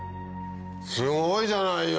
すごいじゃないよ。